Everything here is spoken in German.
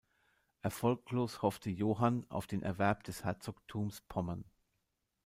Erfolglos hoffte Johann auf den Erwerb des Herzogtums Pommern.